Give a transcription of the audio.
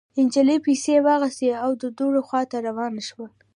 نجلۍ پيسې واخيستې او د وره خوا ته روانه شوه.